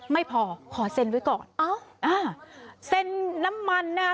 ไม่พอขอเซ็นไว้ก่อนอ้าวอ่าเซ็นน้ำมันนะฮะ